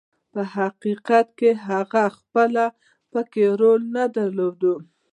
په حقیقت کې هغه پخپله پکې رول نه درلود.